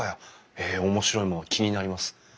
へえ面白いもの気になります！